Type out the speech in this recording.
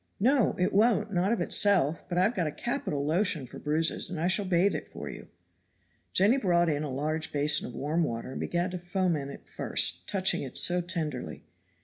"No, it won't, not of itself; but I have got a capital lotion for bruises, and I shall bathe it for you." Jenny brought in a large basin of warm water and began to foment it first, touching it so tenderly.